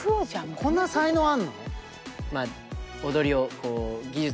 こんな才能あんの？